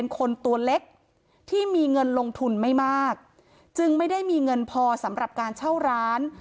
คนตัวเล็กที่มีเงินลงทุนไม่มากจึงไม่ได้มีเงินพอสำหรับการเช่าร้าน